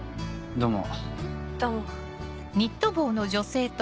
どうも。